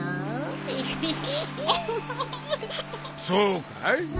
そうかい？